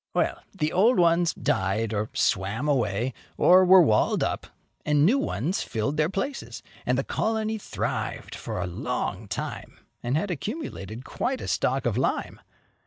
Well, the old ones died or swam away or were walled up, and new ones filled their places, and the colony thrived for a long time, and had accumulated quite a stock of lime.